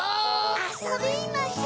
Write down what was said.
あそびましょ！